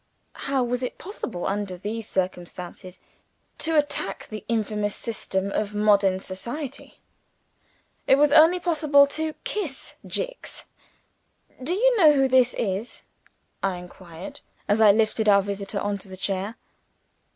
How was it possible, under these circumstances, to attack the infamous system of modern society? It was only possible to kiss "Jicks." "Do you know who this is?" I inquired, as I lifted our visitor on to the chair.